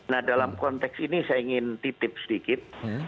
nah dalam konteks ini saya ingin titip sedikit